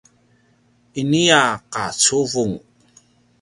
inia qacuvung